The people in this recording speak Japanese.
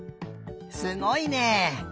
すごいね。